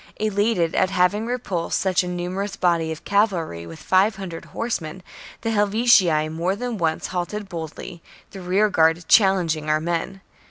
Elated at having repulsed such a numerous body of cavalry with five hundred horsemen, the Helvetii more than once halted boldly, their rearguard challenging our men.